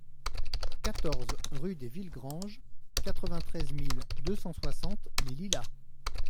quatorze rue des Villegranges, quatre-vingt-treize mille deux cent soixante Les Lilas